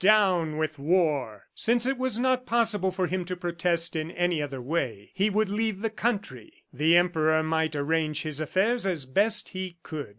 "Down with War!" Since it was not possible for him to protest in any other way, he would leave the country. The Emperor might arrange his affairs as best he could.